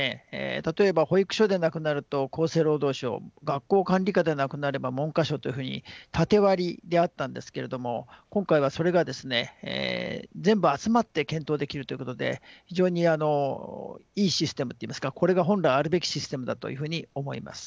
例えば保育所で亡くなると厚生労働省学校管理下で亡くなれば文科省というふうに縦割りであったんですけれども今回はそれが全部集まって検討できるということで非常にいいシステムといいますかこれが本来あるべきシステムだというふうに思います。